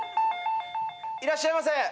いらっしゃいませ。